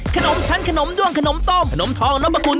ขนมชั้นขนมด้วงขนมต้มขนมทองนพคุณ